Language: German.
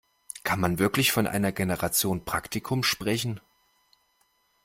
Kann man wirklich von einer Generation Praktikum sprechen?